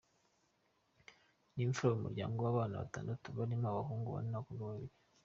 Ni imfura mu muryango w’abana batandatu barimo abahungu bane n’abakobwa babiri.